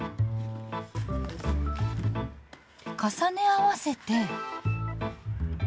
重ね合わせて。